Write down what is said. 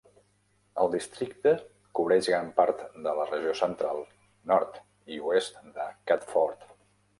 El districte cobreix gran part de la regió central, nord i oest de Catford.